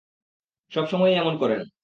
সবসময়ই এমন করেন।